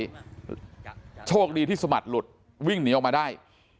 เอาเสื้อเอาไว้โชคดีที่สมัติหลุดวิ่งเหนียวออกมาได้